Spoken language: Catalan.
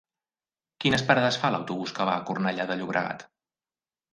Quines parades fa l'autobús que va a Cornellà de Llobregat?